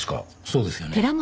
そうですよね？